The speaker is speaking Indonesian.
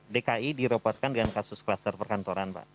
dki direpotkan dengan kasus kluster perkantoran pak